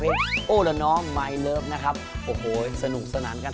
เอาหกมาให้พอแล้วค่อยคุยกันต่อ